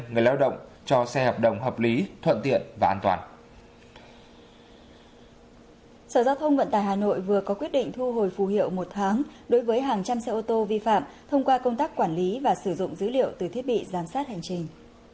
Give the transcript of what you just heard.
sở giao thông vận tải hà nội vừa có quyết định thu hồi phù hiệu một tháng đối với hàng trăm xe ô tô vi phạm thông qua công tác quản lý và sử dụng dữ liệu từ thiết bị giám sát hành trình